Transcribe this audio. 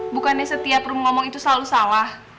bukannya setiap ngomong itu selalu salah